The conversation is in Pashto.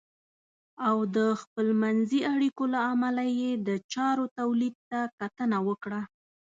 او د خپلمنځي اړیکو له امله یې د چارو تولید ته کتنه وکړه .